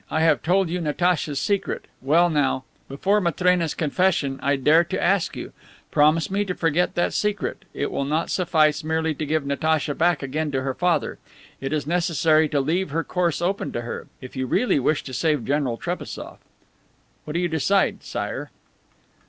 I have told you Natacha's secret. Well, now, before Matrena's confession, I dare to ask you: Promise me to forget that secret. It will not suffice merely to give Natacha back again to her father. It is necessary to leave her course open to her if you really wish to save General Trebassof. What do you decide, Sire?"